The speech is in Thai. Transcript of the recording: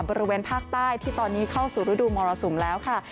บริเวณภาคใต้ที่ตอนนี้เข้าสู่ฤดูมรสุมแล้วค่ะ